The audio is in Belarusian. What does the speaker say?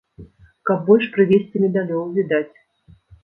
Каб больш прывезці медалёў, відаць!